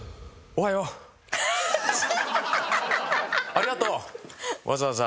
ありがとうわざわざ。